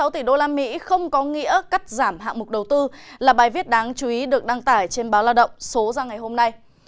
hai mươi sáu tỷ đô la mỹ không có nghĩa cắt giảm hạng mục đầu tư là bài viết đáng chú ý được đăng tải trên báo lao động số ra ngày hôm nay